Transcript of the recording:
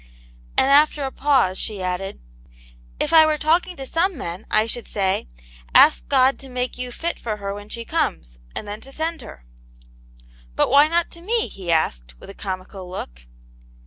And after a pause, she added :" If I were talking to some men, I should say : Ask God to make you fit for her when she comes, and then to send her." " But why not to me ?"he asked, with a comical look.